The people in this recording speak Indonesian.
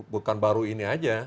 bukan baru ini saja